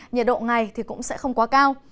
nhiệt độ ngày cũng sẽ không quá cao